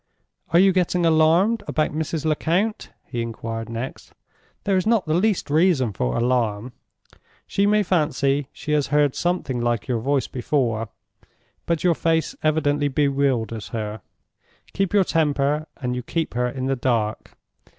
"Are you getting alarmed about Mrs. Lecount?" he inquired next. "There is not the least reason for alarm. She may fancy she has heard something like your voice before, but your face evidently bewilders her. Keep your temper, and you keep her in the dark.